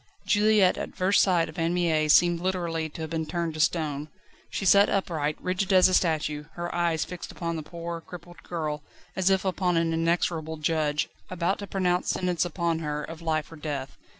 Juliette at first sight of Anne Mie seemed literally to have been turned to stone. She sat upright, rigid as a statue, her eyes fixed upon the poor, crippled girl as if upon an inexorable judge, about to pronounce sentence upon her of life or death.